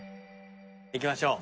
行きましょう。